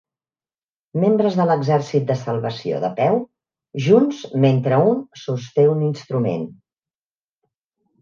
Membres de l'exèrcit de salvació de peu junts mentre un sosté un instrument.